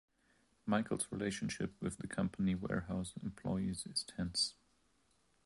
Michael's relationship with the company warehouse employees is tense.